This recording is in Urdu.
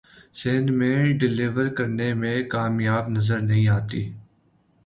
سندھ میں ڈیلیور کرنے میں کامیاب نظر نہیں آتی